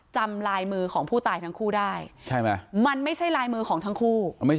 จำลายมือของผู้ตายทั้งคู่ได้ใช่ไหมมันไม่ใช่ลายมือของทั้งคู่